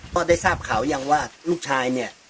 ได้ทราบข่าวยังว่าลูกชายเนี่ย